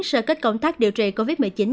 sơ kết công tác điều trị covid một mươi chín